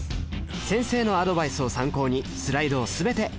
先生のアドバイスを参考にスライドを全て完成させました